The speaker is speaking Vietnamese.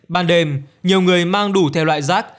ban đêm nhiều người mang đủ theo loại rác